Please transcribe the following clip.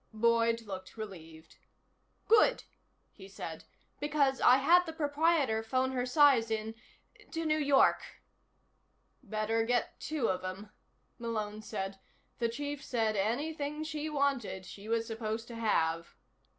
Boyd looked relieved. "Good," he said. "Because I had the proprietor phone her size in, to New York." "Better get two of 'em," Malone said. "The Chief said anything she wanted, she was supposed to have."